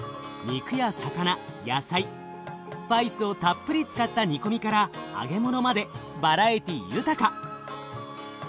肉や魚野菜スパイスをたっぷり使った煮込みから揚げ物までバラエティー豊か。